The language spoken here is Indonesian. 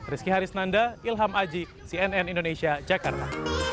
rizky harisnanda ilham aji cnn indonesia jakarta